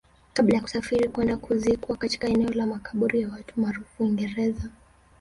kabla ya kusafirishwa kwenda kuzikwa katika eneo la makaburi ya watu maarufu Uingereza